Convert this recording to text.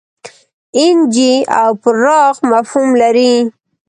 اېن جي او پراخ مفهوم لري.